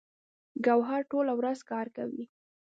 ګوهر ټوله ورځ کار کوي